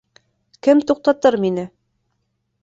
Кем туҡтатыр мине?